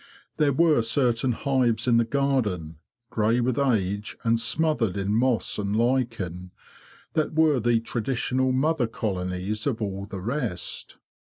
There were certain hives in the garden, grey with age and smothered in moss and lichen, that were the traditional mother colonies of all the rest.